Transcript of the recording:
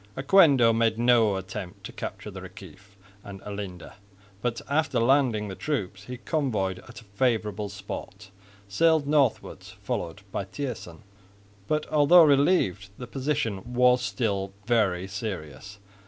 Oquendo made no attempt to capture the Reciff and Olinda, but, after landing the troops he convoyed at a favourable spot, sailed northwards, followed by Thijssen. But though relieved the position was still very serious.